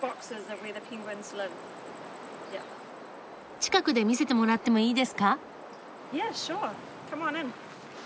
近くで見せてもらってもいいですか？